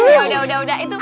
ya udah udah udah itu